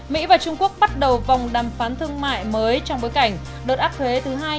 mỹ và trung quốc bắt đầu vòng đàm phán thương mại mới trong bối cảnh đợt áp thuế thứ hai